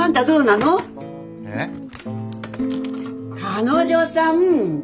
彼女さん。